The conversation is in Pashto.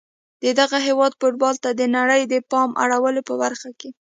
د دغه هیواد فوتبال ته د نړۍ د پام اړولو په برخه کې